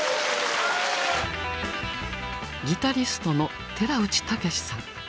ギタリストの寺内タケシさん。